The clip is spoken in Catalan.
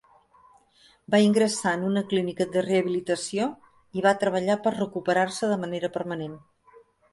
Va ingressar en una clínica de rehabilitació i va treballar per recuperar-se de manera permanent.